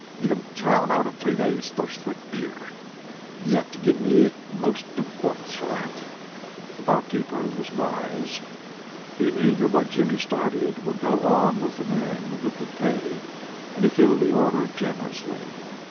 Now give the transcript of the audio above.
You don't drown out a three days' thirst with beer. You ought to give me 'most two quarts for that." The barkeeper was wise. He knew that what Jimmy started would go on with men who could pay, and he filled the order generously.